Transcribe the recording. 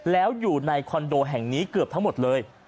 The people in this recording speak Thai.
แล้วอยู่ในคอนโดแห่งนี้เกือบทั้งหมดเลย